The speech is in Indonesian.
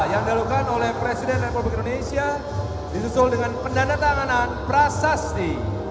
yang dilakukan oleh presiden republik indonesia disusul dengan pendanatanganan prasasti